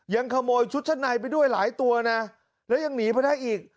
ยังขโมยชุดชั้นในไปด้วยหลายตัวนะแล้วยังหนีไปได้อีก